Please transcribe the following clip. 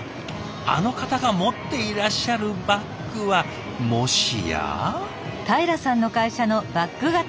あの方が持っていらっしゃるバッグはもしや？